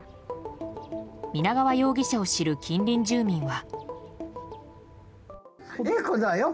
皆川容疑者を知る近隣住民は。